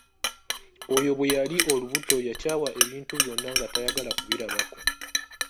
Oyo bwe yali olubuto yakyawa ebintu byonna nga tayagala kubirabako.